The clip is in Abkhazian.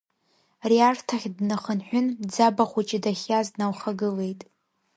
Риарҭахь днахынҳәын, Ӡаба хәыҷы дахьиаз дналхагылеит.